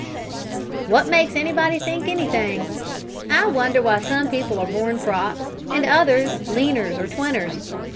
"What makes anybody think anything! I wonder why some people are born props, and others leaners or twiners?